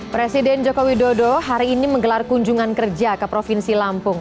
presiden joko widodo hari ini menggelar kunjungan kerja ke provinsi lampung